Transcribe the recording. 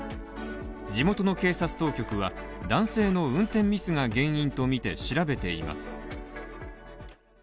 地元の警察当局は、男性の運転ミスが原因とみて調べています。